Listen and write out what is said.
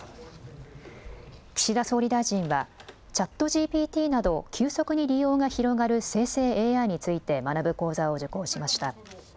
岸田総理大臣はＣｈａｔＧＰＴなど急速に利用が広がる生成ＡＩについて学ぶ講座を受講しました。